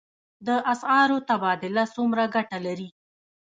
د اسعارو تبادله څومره ګټه لري؟